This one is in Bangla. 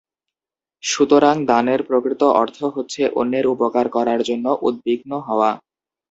সুতরাং দানের প্রকৃত অর্থ হচ্ছে অন্যের উপকার করার জন্য উদ্বিগ্ন হওয়া।